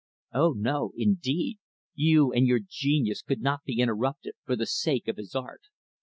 Oh, no, indeed, you and your genius could not be interrupted, for the sake of his art.